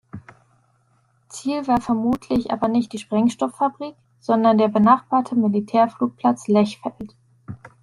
Ziel war vermutlich aber nicht die Sprengstofffabrik, sondern der benachbarte Militärflugplatz Lechfeld.